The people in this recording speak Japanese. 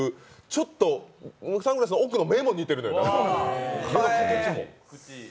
ちょっとサングラスの奥の目も似てるのよ、ここの。